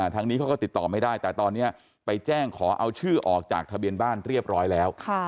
ทางนี้เขาก็ติดต่อไม่ได้แต่ตอนนี้ไปแจ้งขอเอาชื่อออกจากทะเบียนบ้านเรียบร้อยแล้ว